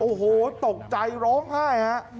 โอ้โหตกใจร้องไห้ฮะ